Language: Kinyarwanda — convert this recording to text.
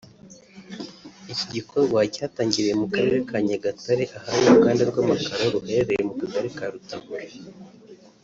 Iki gikorwa cyatangiriye mu Karere ka Nyagatare ahari uruganda rw’amakaro ruherereye mu kagali ka Rutabura